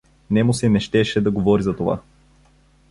Нему се не щеше да говори за това.